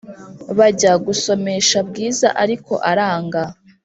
bajya gusomesha bwiza ariko aranga